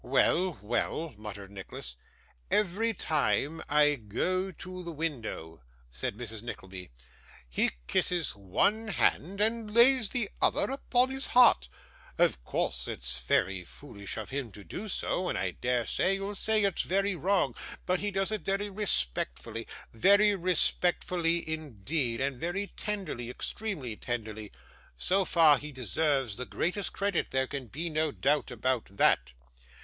'Well, well!' muttered Nicholas. 'Every time I go to the window,' said Mrs. Nickleby, 'he kisses one hand, and lays the other upon his heart of course it's very foolish of him to do so, and I dare say you'll say it's very wrong, but he does it very respectfully very respectfully indeed and very tenderly, extremely tenderly. So far, he deserves the greatest credit; there can be no doubt about that.